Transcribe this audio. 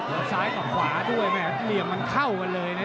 แล้วซ้ายกับขวาด้วยมันเข้ากันเลยนะเนี่ย